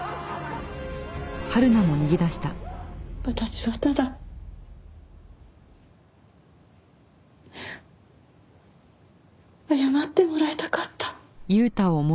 私はただ謝ってもらいたかった。